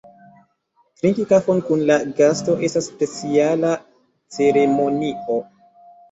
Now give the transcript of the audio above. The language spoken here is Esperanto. Trinki kafon kun la gasto estas speciala ceremonio.